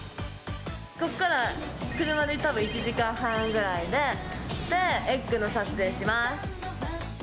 ここから車で１時間半ぐらいで『ｅｇｇ』の撮影します。